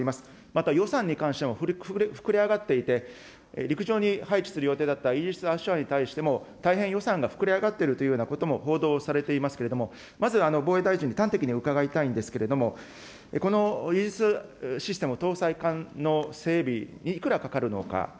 また、予算に関しても膨れ上がっていて、陸上に配置する予定だったイージス・アショアに対しても、大変予算が膨れ上がっているというようなことも報道されていますけれども、まず防衛大臣に端的に伺いたいんですけれども、このイージスシステム搭載艦の整備にいくらかかるのか。